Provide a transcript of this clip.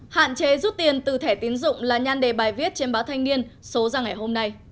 hạn chế rút tiền từ thẻ tiến dụng là nhan đề bài viết trên báo thanh niên số ra ngày hôm nay